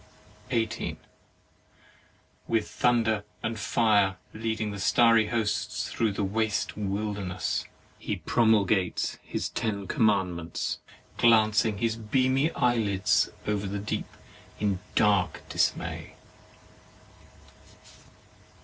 18. With thunder and fire, leading his starry hosts through the waste wilderness, he promulgates his ten commandments, glancing his beamy eyelids over the deep in dark dismay.